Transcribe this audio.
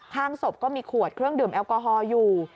ข้างศพก็มีขวดเครื่องดื่มแอลกอฮอล์อยู่